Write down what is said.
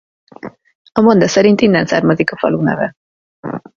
A monda szerint innen származik a falu neve.